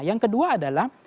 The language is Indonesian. yang kedua adalah